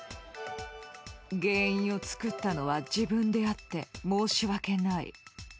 原因を作ったのは自分であって、申し訳ない。